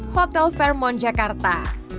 hotel fairmont jakarta